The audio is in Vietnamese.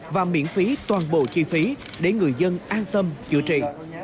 và miễn phí toàn bộ chi phí để người dân an tâm chữa trị